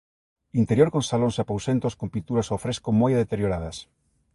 Interior con salóns e apousentos con pinturas ao fresco moi deterioradas.